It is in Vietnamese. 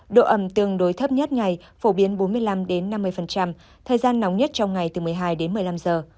độ ẩm tương đối thấp nhất ngày phổ biến bốn mươi năm năm mươi thời gian nóng nhất trong ngày từ một mươi hai đến một mươi năm giờ